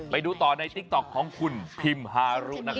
ไปดูต่อในติ๊กต๊อกของคุณพิมพ์ฮารุนะครับ